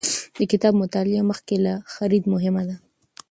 د کتاب مطالعه مخکې له خرید مهمه ده.